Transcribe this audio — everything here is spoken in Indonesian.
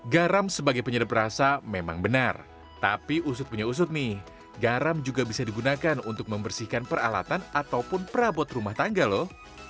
garam sebagai penyedap rasa memang benar tapi usut punya usut nih garam juga bisa digunakan untuk membersihkan peralatan ataupun perabot rumah tangga loh